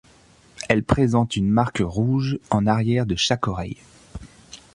Elle présente une marque rouge en arrière de chaque oreille.